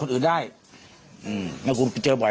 มันอ่านไปจากคนอื่นได้แต่กูเจอบ่อย